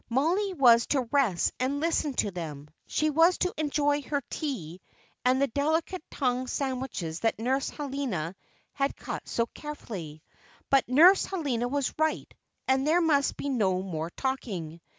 Mollie was to rest and listen to them; she was to enjoy her tea and the delicate tongue sandwiches that Nurse Helena had cut so carefully. But Nurse Helena was right, and there must be no more talking.